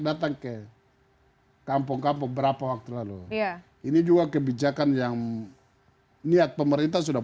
datang ke kampung kampung berapa waktu lalu ini juga kebijakan yang niat pemerintah sudah